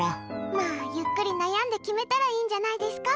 まあ、ゆっくり悩んで決めたらいいんじゃないですか。